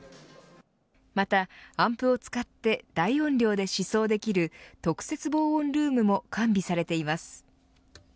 また、アンプを使って大音量で試奏できる特設防音ルームも完備されています。